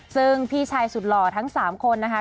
ซึ่งพี่ชายสุดหล่อทั้ง๓คนนะคะ